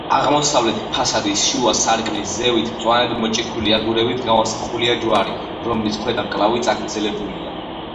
აღმოსავლეთ ფასადის შუა სარკმლის ზევით მწვანედ მოჭიქული აგურებით გამოსახულია ჯვარი, რომლის ქვედა მკლავი წაგრძელებულია.